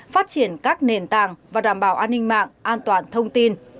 phát triển các nền tảng và đảm bảo an ninh mạng an toàn thông tin